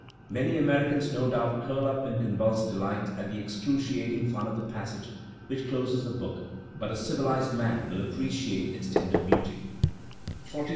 Many Americans no doubt curl up in convulsed delight at the excruciating fun of the passage which closes the book; but a civilized man will appreciate its tender beauty.